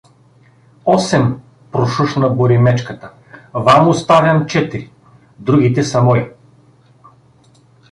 — Осем! — прошушна Боримечката. — Вам оставям четири; другите са мои.